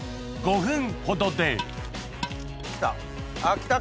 ５分ほどで来た来た！